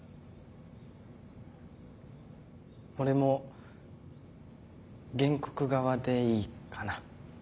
俺も原告側でいいかな。